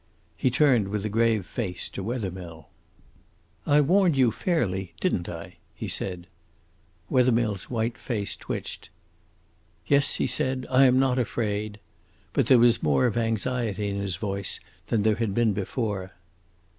He turned with a grave face to Wethermill. "I warned you fairly, didn't I?" he said. Wethermill's white face twitched. "Yes," he said. "I am not afraid." But there was more of anxiety in his voice than there had been before.